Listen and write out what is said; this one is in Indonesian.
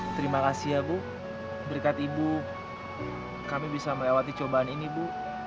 terima kasih ya bu berkat ibu kami bisa melewati cobaan ini bu